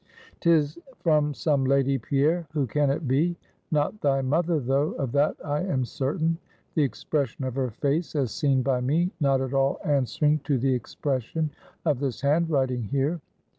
"'Tis from some lady, Pierre; who can it be? not thy mother though, of that I am certain; the expression of her face, as seen by me, not at all answering to the expression of this handwriting here."